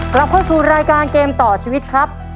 กลับเข้าสู่รายการเกมต่อชีวิตครับ